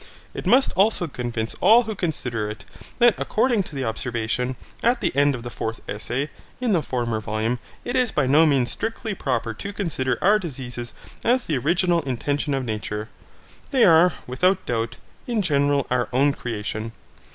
It must also convince all who consider it, that according to the observation, at the end of the fourth essay, in the former volume, it is by no means strictly proper to consider our diseases as the original intention of nature. They are, without doubt, in general our own creation.